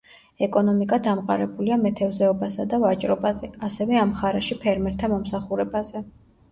ეკონომიკა დამყარებულია მეთევზეობასა და ვაჭრობაზე, ასევე ამ მხარეში ფერმერთა მომსახურებაზე.